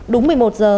đúng một mươi một giờ